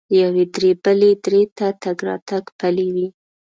له یوې درې بلې درې ته تګ راتګ پلی وي.